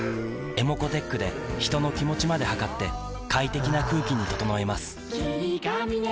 ｅｍｏｃｏーｔｅｃｈで人の気持ちまで測って快適な空気に整えます